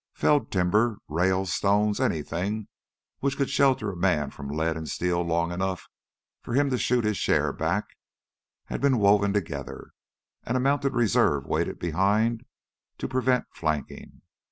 Felled timber, rails, stones, anything which could shelter a man from lead and steel long enough for him to shoot his share back, had been woven together, and a mounted reserve waited behind to prevent flanking.